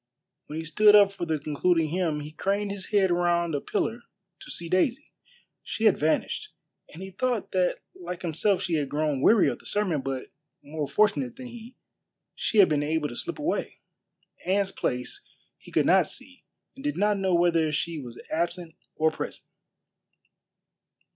When he stood up for the concluding hymn he craned his head round a pillar to see Daisy. She had vanished, and he thought that like himself she had grown weary of the sermon, but more fortunate than he, she had been able to slip away. Anne's place he could not see and did not know whether she was absent or present.